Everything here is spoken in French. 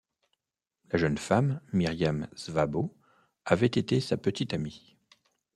La jeune femme, Myriam Szabo, avait été sa petite amie.